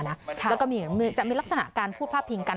แล้วก็จะมีลักษณะการพูดพาดพิงกัน